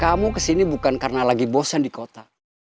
kamu kesini bukan karena lagi bosan di kota